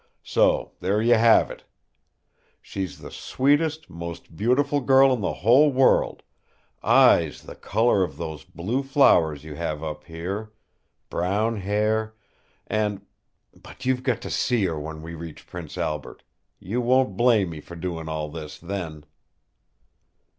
So there you have it. She's the sweetest, most beautiful girl in the whole world eyes the color of those blue flowers you have up here, brown hair, and but you've got to see her when we reach Prince Albert. You won't blame me for doing all this, then!"